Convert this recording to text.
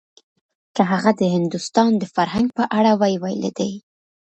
که هغه د هندوستان د فرهنګ په اړه وی ويلي دي.